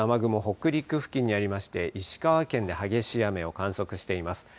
北陸付近にありまして石川付近で激しい雨を観測しています。